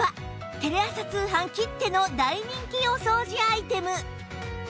テレ朝通販きっての大人気お掃除アイテム